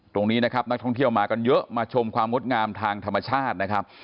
ตรงนี้นะครับนักท่องเที่ยวมากันเยอะมาชมความงดงามทางธรรมชาตินะครับ